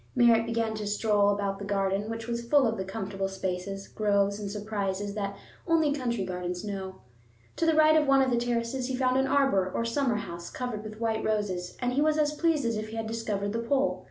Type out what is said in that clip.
Merritt began to stroll about the garden, which was full of the comfortable spaces, groves, and surprises that only country gardens know. To the right of one of the terraces he found an arbor or summer house covered with white roses, and he was as pleased as if he had discovered the Pole.